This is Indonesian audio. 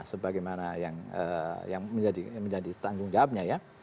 sebagaimana yang menjadi tanggung jawabnya ya